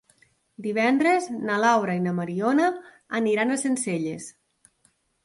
Divendres na Laura i na Mariona aniran a Sencelles.